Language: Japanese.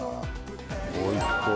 おいしそう」